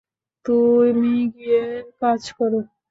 তুমি গিয়ে কাজ করো।